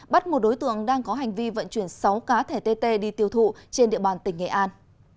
bắt một đối tượng đang có hành vi vận chuyển sáu cá thẻ tê tê đi tiêu thụ trên địa bàn tỉnh nghệ an